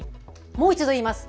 もう一度、言います。